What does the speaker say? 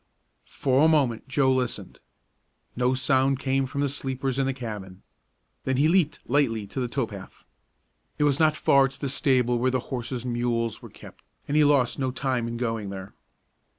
For a moment Joe listened. No sound came from the sleepers in the cabin. Then he leaped lightly to the tow path. It was not far to the stable where the horses and mules were kept, and he lost no time in going there.